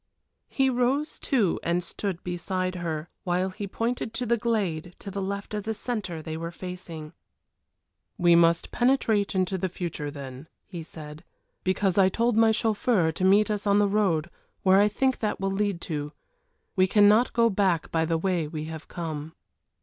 He rose too and stood beside her, while he pointed to the glade to the left of the centre they were facing. "We must penetrate into the future then," he said, "because I told my chauffeur to meet us on the road where I think that will lead to. We cannot go back by the way we have come."